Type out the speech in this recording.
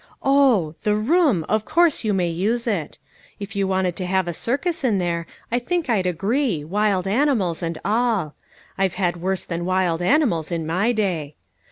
Oh ! the room, of course you may use it. If you wanted to have a circus in there, I think I'd agree, wild animals and all ; I've had worse than wild animals in my day.